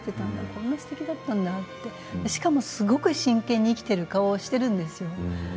こんなすてきだったんだってそれにしかもすごく真剣に生きている顔をしているんですよ。